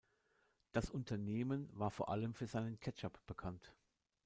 Das Unternehmen war vor allem für seinen Ketchup bekannt.